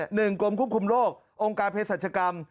กรมควบคุมโรคองค์การเพศรัชกรรม